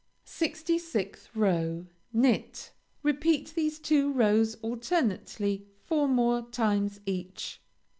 66th row Knit. Repeat these two rows alternately four more times each.